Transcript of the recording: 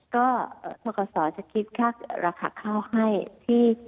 ก็ทกศจะคิดค่าราคาข้าวให้ที่